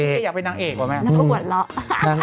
พี่เออยากเป็นนางเอกกว่าไหม